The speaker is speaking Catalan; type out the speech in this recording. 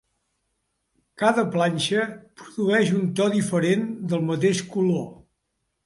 Cada planxa produeix un to diferent del mateix color.